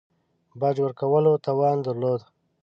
باج ورکولو توان درلود.